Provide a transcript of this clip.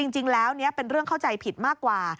จริงแล้วนี้เป็นเรื่องเข้าใจผิดมากกว่า